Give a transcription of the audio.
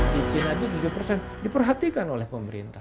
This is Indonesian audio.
di china itu tujuh persen diperhatikan oleh pemerintah